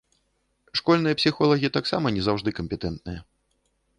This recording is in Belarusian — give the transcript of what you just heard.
Школьныя псіхолагі таксама не заўжды кампетэнтныя.